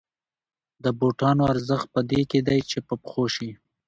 د بوټانو ارزښت په دې کې دی چې په پښو شي